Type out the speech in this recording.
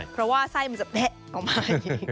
เพราะว่าไส้มันจะแพะออกมาอีก